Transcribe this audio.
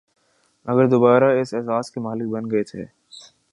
مگر دوبارہ اس اعزاز کے مالک بن گئے تھے